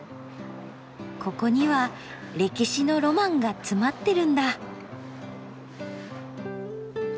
ここには歴史のロマンが詰まってるんだ。